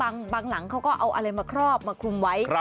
หลังเขาก็เอาอะไรมาครอบมาคลุมไว้